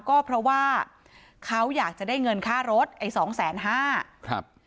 ก็เพราะว่าเขาอยากจะได้เงินค่ารถไอ้สองแสนห้าครับ